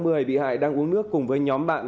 người bị hại đang uống nước cùng với nhóm bạn